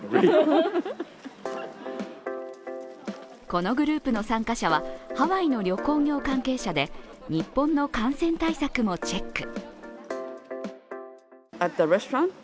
このグループの参加者はハワイの旅行業関係者で日本の感染対策もチェック。